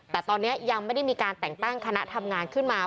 แต่ตอนนี้ยังไม่ได้มีการแต่งตั้งคณะทำงานขึ้นมา